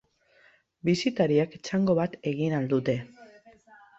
Bisitariek txango bat egin ahal dute.